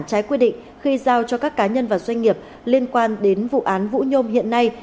trái quy định khi giao cho các cá nhân và doanh nghiệp liên quan đến vụ án vũ nhôm hiện nay